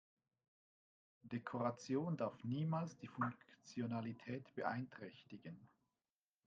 Dekoration darf niemals die Funktionalität beeinträchtigen.